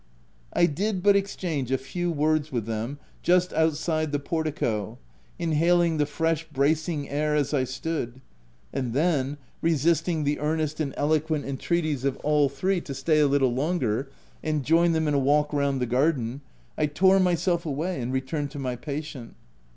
I did but exchange a few words with them, just outside the portico — inhaling the fresh, bracing air as I stood— and then, re sisting the earnest and eloquent entreaties of all three to stay a little longer, and join them in a walk round the garden, — I tore myself away and returned to my patient.